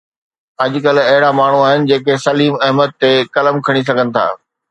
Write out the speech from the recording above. اڄ ڪلهه اهڙا ماڻهو آهن جيڪي سليم احمد تي قلم کڻي سگهن ٿا.